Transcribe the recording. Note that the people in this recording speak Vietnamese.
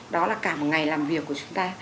đó là cả một ngày làm việc của chúng ta